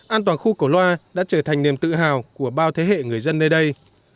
an toàn khu cổ loa đã trở thành niềm tự hào của bao thế hệ người dân nơi đây